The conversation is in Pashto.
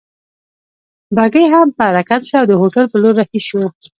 بګۍ هم په حرکت شوه او د هوټل په لور رهي شوو.